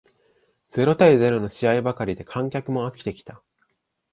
ゼロ対ゼロの試合ばかりで観客も飽きてきた